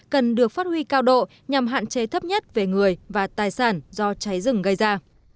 cần được phát huy cao độ nhằm hạn chế thấp nhất về người và tài sản do cháy rừng gây ra